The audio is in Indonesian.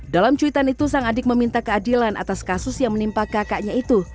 dalam cuitan itu sang adik meminta keadilan atas kasus yang menimpa kakaknya itu